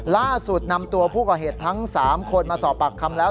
ล่าสุดนำตัวผู้ก่อเหตุทั้ง๓คนมาสอบปากคำแล้ว